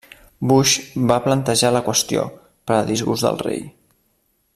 Bush va plantejar la qüestió, per a disgust del rei.